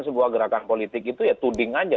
sebuah gerakan politik itu ya tuding aja